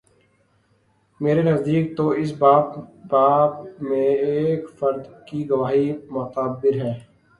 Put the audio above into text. میرے نزدیک تواس باب میں ایک فرد کی گواہی معتبر ہے۔